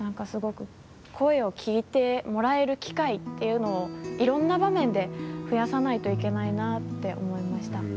声を聞いてもらえる機会っていうのをいろいろな場面で増やさないといけないなって思いました。